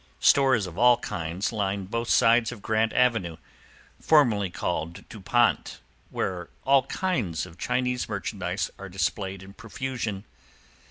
Stores of all kinds line both sides of Grant Avenue, formerly called Dupont, where all kinds of Chinese merchandise are displayed in profusion.